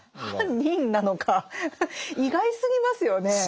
「犯人」なのか意外すぎますよね。